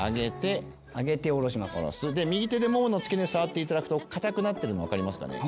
右手でももの付けね触っていただくとかたくなってるの分かりますかね？